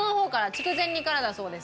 筑前煮からだそうです。